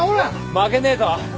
負けねえぞ。